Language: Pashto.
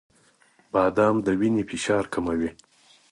• بادام د وینې فشار کموي.